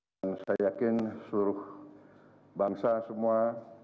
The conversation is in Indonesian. dan saya yakin seluruh bangsa semua